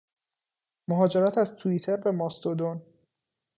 مهاجرت از توییتر به ماستودون